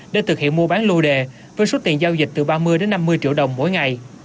để thực hiện mua bán lô đề với số tiền giao dịch từ ba mươi đến năm mươi triệu đồng mỗi ngày